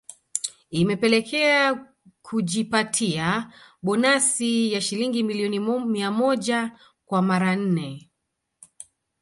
Imepelekea kujipatia bonasi ya shilingi milioni mia moja kwa mara nne